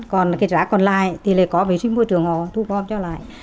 còn rác còn lại thì lại có vệ sinh môi trường họ thu có cho lại